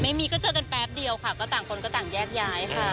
ไม่มีก็เจอกันแป๊บเดียวค่ะก็ต่างคนก็ต่างแยกย้ายค่ะ